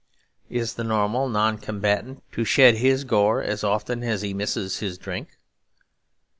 Is the normal noncombatant to shed his gore as often as he misses his drink?